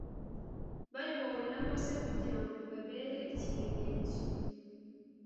bayobowe na mose kugira ngo bibabere ikimenyetso